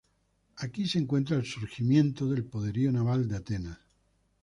Aquí se encuentras el surgimiento del poderío naval de Atenas.